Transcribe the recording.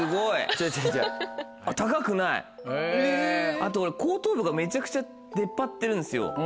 あと俺後頭部がめちゃくちゃ出っ張ってるんですよ。